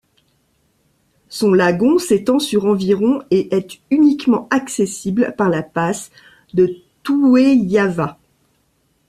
Son lagon s'étend sur environ et est uniquement accessible par la passe de Tuheiava.